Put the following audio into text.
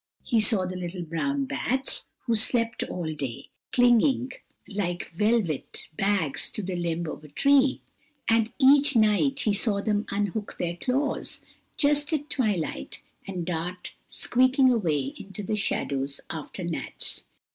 He saw the little brown bats, who slept all day, clinging like velvet bags to the limb of a tree, and each night he saw them unhook their claws, just at twilight, and dart squeaking away into the shadows after gnats.